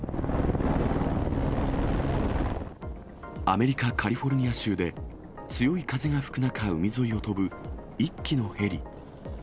アメリカ・カリフォルニア州で、強い風が吹く中、海沿いを飛ぶ１機のヘリ。